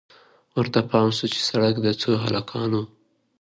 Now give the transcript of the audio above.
ورته پام سو پر سړک د څو هلکانو